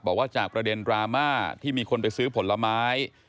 บอกว่าจากประเด็นดราม่าที่มีคนไปซื้อผลไม้